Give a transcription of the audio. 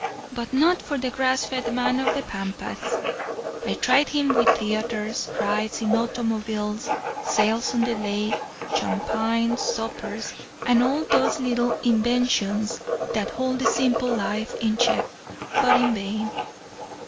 But not for the grass fed man of the pampas! I tried him with theatres, rides in automobiles, sails on the lake, champagne suppers, and all those little inventions that hold the simple life in check; but in vain.